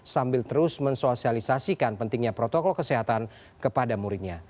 sambil terus mensosialisasikan pentingnya protokol kesehatan kepada muridnya